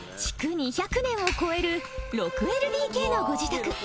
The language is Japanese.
築２００年を超える６ＬＤＫのご自宅